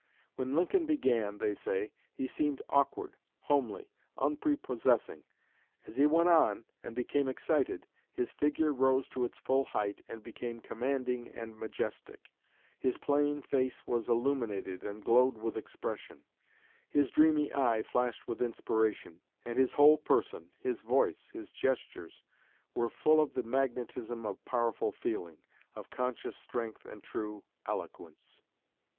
When Lincoln began, they say, he seemed awkward, homely, unprepossessing. As he went on, and became excited, his figure rose to its full height and became commanding and majestic. His plain face was illuminated and glowed with expression. His dreamy eye flashed with inspiration, and his whole person, his voice, his gestures, were full of the magnetism of powerful feeling, of conscious strength and true eloquence."